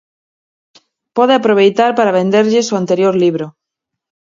Pode aproveitar para venderlles o anterior libro.